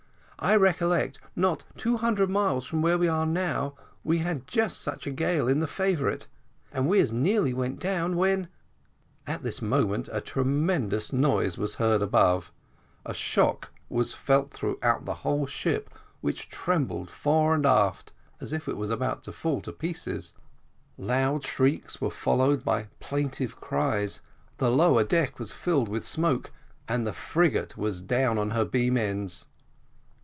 I recollect, not two hundred miles from where we are now, we had just such a gale in the Favourite, and we as nearly went down, when " At this moment a tremendous noise was heard above, a shock was felt throughout the whole ship, which trembled fore and aft as if it were about to fall into pieces; loud shrieks were followed by plaintive cries, the lower deck was filled with smoke, and the frigate was down on her beam ends.